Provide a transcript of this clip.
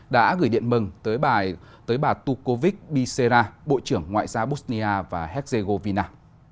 đã gửi điện mừng tới bà tukovic bicera bộ trưởng ngoại giao bosnia và herzegovina